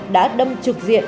đã đâm trực diện